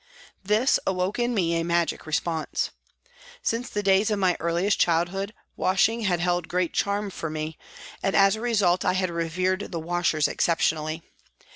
This awoke in me a magic response. Since the days of my earliest childhood washing had held great charra for me, and as a result I had revered the washers exceptionally.